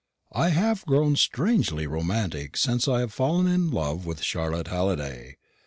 I have grown strangely romantic since I have fallen in love with Charlotte Halliday.